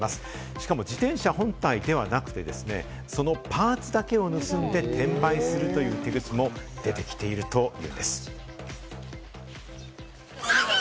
しかも自転車本体ではなくて、そのパーツだけを盗んで転売するという手口も出てきているといいます。